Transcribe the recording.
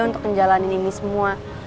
untuk ngejalanin ini semua